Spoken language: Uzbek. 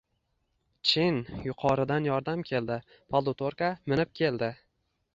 Chin, yuqoridan yordam keldi. Polutorka minib kel-di.